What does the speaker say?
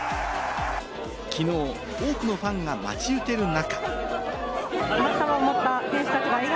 きのう多くのファンが待ち受ける中。